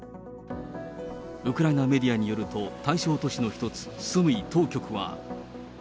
ウクライナメディアによると、対象都市の一つ、スムイ当局は。